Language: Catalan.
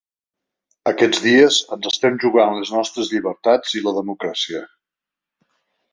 Aquests dies ens estem jugant les nostres llibertats i la democràcia.